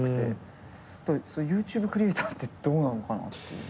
ＹｏｕＴｕｂｅクリエイターってどうなのかなっていう。